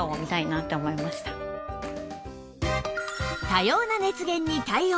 多様な熱源に対応